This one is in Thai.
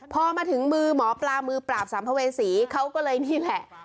พอมาถึงมือหมอปลามือปราบสัมภเวษีเขาก็เลยนี่แหละ